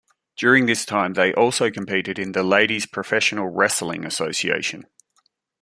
During this time they also competed in the Ladies Professional Wrestling Association.